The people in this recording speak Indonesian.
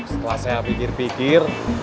setelah saya pikir pikir